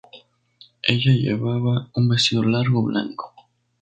Ella llevaba un vestido largo blanco.